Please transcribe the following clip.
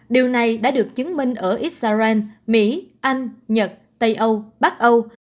điều này đã được chứng minh ở israel mỹ anh nhật tây âu bắc âu